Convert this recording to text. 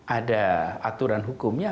ada aturan hukumnya